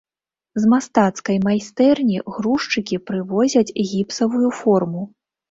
З мастацкай майстэрні грузчыкі прывозяць гіпсавую форму.